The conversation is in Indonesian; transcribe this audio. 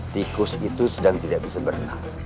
tikus itu sedang tidak bisa berenang